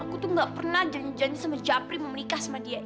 aku tuh gak pernah janji janji sama japri mau menikah sama dia